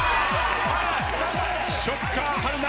ショッカー春菜